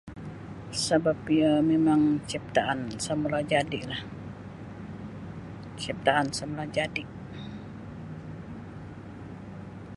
Sabab iyo mimang ciptaan samula jadilah ciptaan samula jadi.